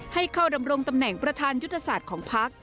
ให้เข้าดำรงตำแหน่งประธานยุทธศาสตร์ของพัก